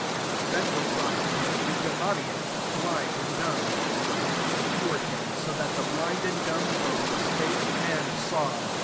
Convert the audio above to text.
'* 22 Then was brought to him a demoniac, blind and dumb : and he cured him, so that the blind and dumb both spake and saw.